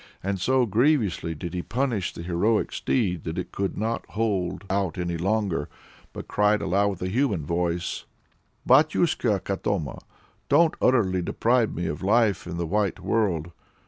And so grievously did he punish the heroic steed that it could not hold out any longer, but cried aloud with a human voice "Batyushka Katoma! don't utterly deprive me of life in the white world!